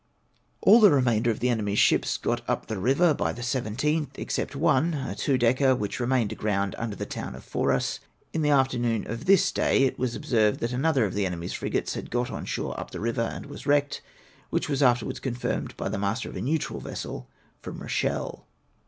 All the remainder of the enemy's ships got up the river by the I7tli, except one (a two decker), which remained aground imder the town of Fouras ; in the afternoon of this day it was observed that another of the enemy's frigates had got on sliore up the river and was wrecked, which was afterwards confirmed by the master of a neutral vessel from Eochelle.